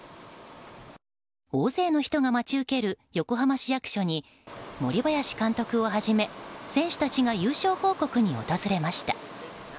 大勢の人が待ち受ける横浜市役所に森林監督をはじめ選手たちが優勝報告に訪れました。